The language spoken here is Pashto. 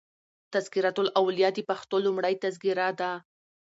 "تذکرة الاولیا" دپښتو لومړۍ تذکره ده.